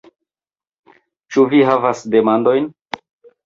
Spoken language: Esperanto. Ĉu vi havas demandojn?